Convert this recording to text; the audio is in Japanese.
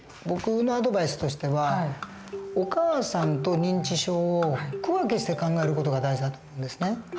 僕のアドバイスとしてはお母さんと認知症を区分けして考える事が大事だと思うんですね。